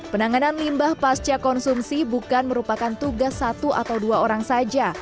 penanganan limbah pasca konsumsi bukan merupakan tugas satu atau dua orang saja